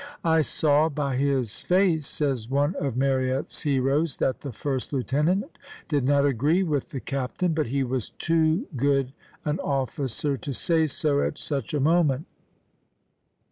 "I saw by his face," says one of Marryatt's heroes, "that the first lieutenant did not agree with the captain; but he was too good an officer to say so at such a moment."